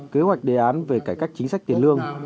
kế hoạch đề án về cải cách chính sách tiền lương